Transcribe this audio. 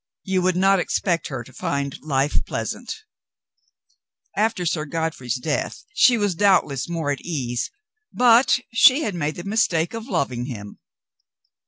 You would not expect her to find life pleasant After Sir Godfrey's death she was doubtless more at ease, but she had made the mistake of loving him.